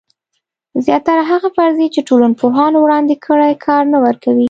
زیاتره هغه فرضیې چې ټولنپوهانو وړاندې کړي کار نه ورکوي.